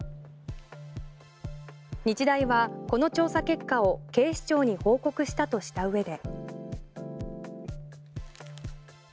日大はこの調査結果を警視庁に報告したとしたうえで。